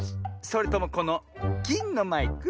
それともこのぎんのマイク？